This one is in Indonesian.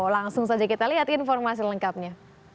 langsung saja kita lihat informasi lengkapnya